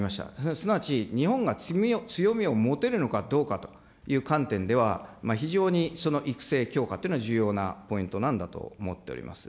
すなわち日本が強みを持てるのかどうかという観点では、非常に育成強化というのは重要なポイントなんだと思っております。